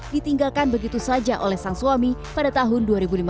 ditinggalkan begitu saja oleh sang suami pada tahun dua ribu lima belas